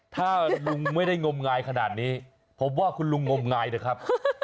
ถ้าลุงไม่ได้งมงายขนาดนี้ผมว่าคุณลุงงมงายนะครับ